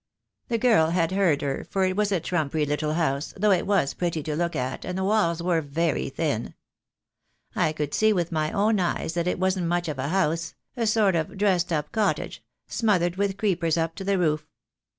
The girl had heard her, for it was a trum pery little house, though it was pretty to look at, and the walls were veiy thin. I could see with my own eyes that it wasn't much of a house, a sort of dressed up cottage, smothered with creepers up to the roof.